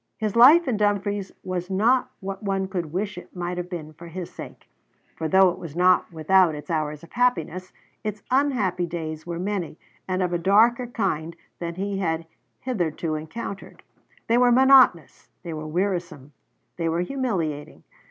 His life in Dumfries was not what one could wish it might have been for his sake; for though it was not without its hours of happiness, its unhappy days were many, and of a darker kind than he had hitherto encountered. They were monotonous, they were wearisome, they were humiliating.